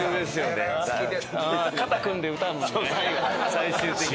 最終的に。